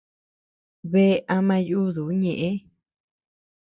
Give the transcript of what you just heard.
Bea ama yuduu ñeʼë.